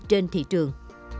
trên thị trường